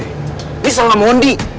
ini salah moni